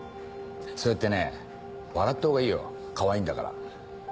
そうやってね笑ったほうがいいよかわいいんだから。